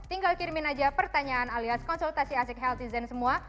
tinggal kirimin aja pertanyaan alias konsultasi asik healthy zen semua